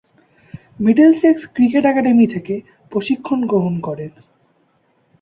Middlesex cricket academy থেকে প্রশিক্ষণ গ্রহণ করেন।